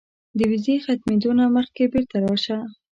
د ویزې ختمېدو نه مخکې بیرته راشه.